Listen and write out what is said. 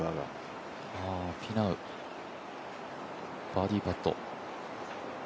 フィナウ、バーディーパット。